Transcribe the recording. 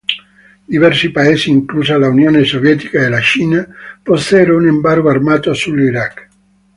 Diversi paesi, inclusa l'Unione Sovietica e la Cina, posero un embargo armato sull'Iraq.